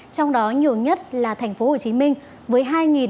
trong đó nhiều nhất là tp hcm với hai ba trăm sáu mươi năm